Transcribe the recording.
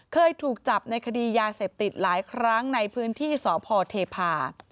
เคยถูกจับในคดียาเสพติดหลายครั้งในพื้นที่สพเทพา